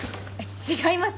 違います。